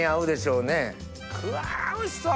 うわおいしそう！